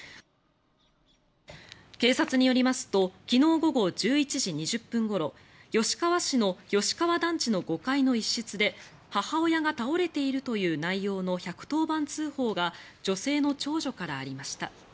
警察によりますと昨日午後１１時２０分ごろ吉川市の吉川団地の５階の一室で母親が倒れているという内容の１１０番通報が女性の長女からありました。